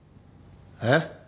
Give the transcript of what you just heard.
えっ？